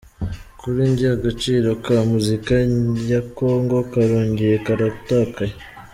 “kuri njye Agaciro ka muzika ya Congo karongeye karatakaye.